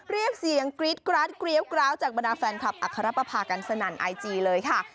เรียกเสียงกรี๊ดกราดเกรี้ยวกร้าวจากบรรดาแฟนคลับอัครปภากันสนั่นไอจีเลยค่ะ